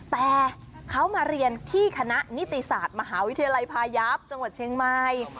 แต่เขามาเรียนที่คณะนิติศาสตร์มหาวิทยาลัยพายาฟจังหวัดเชียงใหม่